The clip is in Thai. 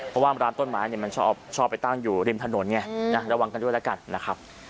เพราะว่าร้านต้นไม้เนี่ยมันชอบไปตั้งอยู่ริมถนนไงระวังกันด้วยแล้วกันนะครับ